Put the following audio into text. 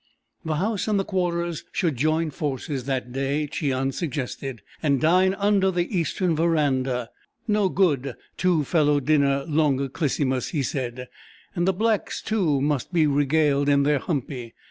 The House and the Quarters should join forces that day, Cheon suggested, and dine under the eastern verandah "No good two fellow dinner longa Clisymus," he said. And the blacks, too, must be regaled in their humpy.